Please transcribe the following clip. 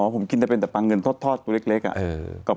อ๋อผมกินเป็นแต่ปลาเงินทอดตัวเล็กอ่ะ